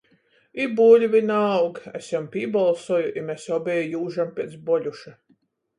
"I buļvi naaug," es jam pībolsoju, i mes obeji jūžam piec Boļuša.